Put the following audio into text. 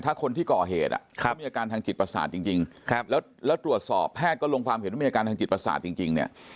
ถ้าคนที่ก่อเหตุเขามีอาการทางจิตประสาทจริงแล้วตรวจสอบแพทย์ก็ลงความเห็นว่ามีอาการทางจิตประสาทจริงเนี่ย